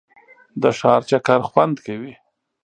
د ښار چکر خوند کوي.